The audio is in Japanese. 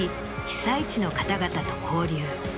被災地の方々と交流。